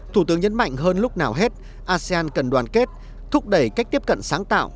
thủ tướng nhấn mạnh hơn lúc nào hết asean cần đoàn kết thúc đẩy cách tiếp cận sáng tạo